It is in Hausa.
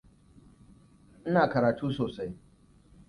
Ina karatu sosai.